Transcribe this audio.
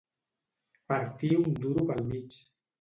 Partir un duro pel mig.